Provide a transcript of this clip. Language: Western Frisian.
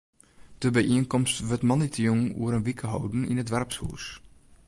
De byienkomst wurdt moandeitejûn oer in wike holden yn it doarpshûs.